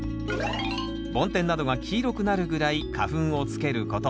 梵天などが黄色くなるぐらい花粉をつけること。